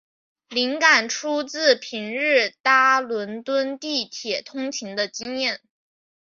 灵感出自平日搭伦敦地铁通勤的经验。